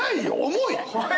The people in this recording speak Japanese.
重い！